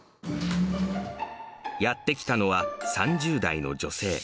やって来たのは、３０代の女性。